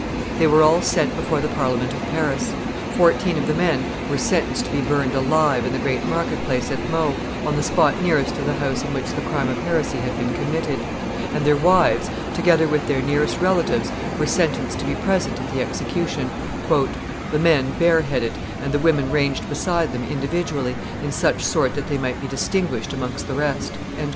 They were all sent before the Parliament of Paris; fourteen of the men were sentenced to be burned alive in the great marketplace at Meaux, on the spot nearest to the house in which the crime of heresy had been committed; and their wives, together with their nearest relatives, were sentenced to be present at the execution, "the men bare headed and the women ranged beside them individually, in such sort that they might be distinguished amongst the rest."